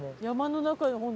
山の中よ